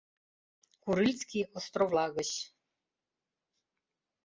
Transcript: Курильский островла гыч.